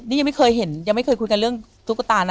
นี่ยังไม่เคยเห็นยังไม่เคยคุยกันเรื่องตุ๊กตานะ